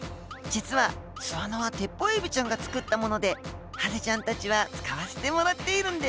実は巣穴はテッポウエビちゃんが作ったものでハゼちゃんたちは使わせてもらっているんです。